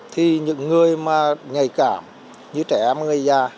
thì những người mà nhạy cảm như trẻ em người già